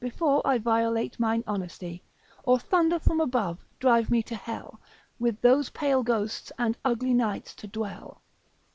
Before I violate mine honesty, Or thunder from above drive me to hell, With those pale ghosts, and ugly nights to dwell.